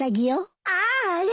あああれ！